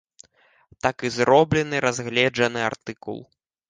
Так і зроблены разгледжаны артыкул.